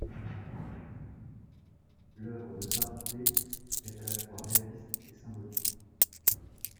L'œuvre de Dardé est à la fois réaliste et symbolique.